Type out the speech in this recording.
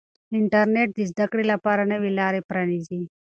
انټرنیټ د زده کړې لپاره نوې لارې پرانیزي.